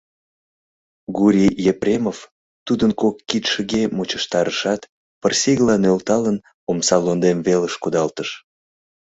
Гурий Епремов тудын кок кидшыге мучыштарышат, пырысигыла нӧлталын, омса лондем велыш кудалтыш.